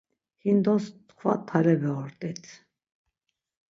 Hindos t̆ǩva talebe ort̆it.